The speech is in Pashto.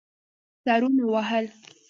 سرونه وهل.